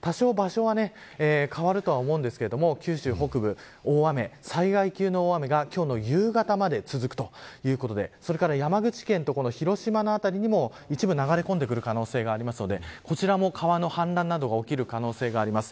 多少、場所は変わるとは思うんですが九州北部災害級の大雨が今日の夕方まで続くということでそれから山口県と広島の辺りにも一部流れ込んでくる可能性があるのでこちらも川の氾濫などが起きる可能性があります。